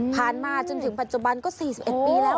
มาจนถึงปัจจุบันก็๔๑ปีแล้ว